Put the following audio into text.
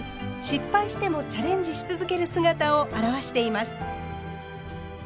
失敗してもチャレンジし続ける姿を表しています。